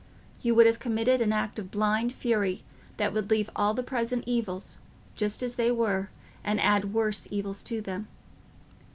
You would have committed an act of blind fury that would leave all the present evils just as they were and add worse evils to them.